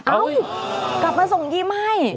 เอ้ากลับมาส่งยิ้มให้